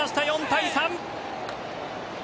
４対３。